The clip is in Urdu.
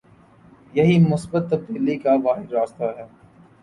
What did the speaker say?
یہی مثبت تبدیلی کا واحد راستہ ہے۔